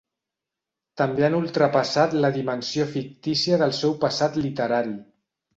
També han ultrapassat la dimensió fictícia del seu passat literari.